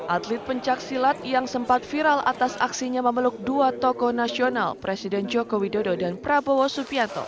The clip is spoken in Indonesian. atlet pemkap silat yang sempat viral atas aksinya memeluk dua toko nasional presiden joko widodo dan prabowo supianto